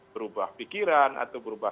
berubah pikiran atau berubah